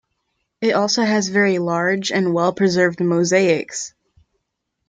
It also has very large and well-preserved mosaics.